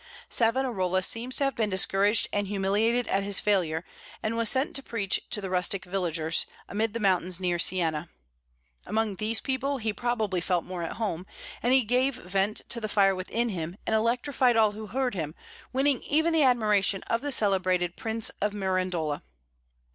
Savonarola seems to have been discouraged and humiliated at his failure, and was sent to preach to the rustic villagers, amid the mountains near Sienna. Among these people he probably felt more at home; and he gave vent to the fire within him and electrified all who heard him, winning even the admiration of the celebrated Prince of Mirandola.